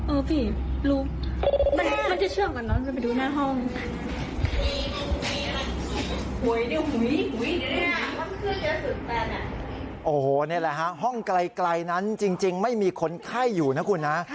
โอ้โหนี่แหละฮะห้องไกลนั้นจริงไม่มีคนไข้อยู่นะคุณนะ